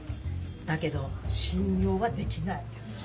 だけど信用はできない。